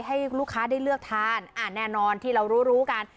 ให้ลูกค้าได้เลือกทานแน่นอนที่เรารู้รู้กัน